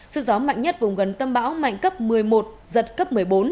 sức gió mạnh nhất vùng gần tâm bão mạnh cấp một mươi một giật cấp một mươi bốn